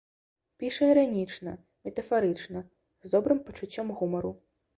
Піша іранічна, метафарычна, з добрым пачуццём гумару.